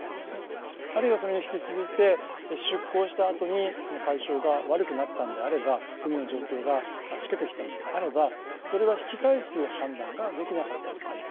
あるいはそれに引き続いて出航したあとに、その対象が悪くなったのであれば海の状況がしけてきたのであればそれは引き返すという判断はできなかったのか。